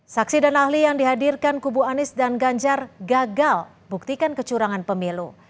saksi dan ahli yang dihadirkan kubu anies dan ganjar gagal buktikan kecurangan pemilu